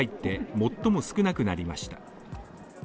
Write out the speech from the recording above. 最も少なくなりました。